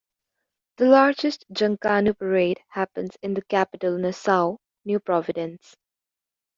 The largest Junkanoo parade happens in the capital Nassau, New Providence.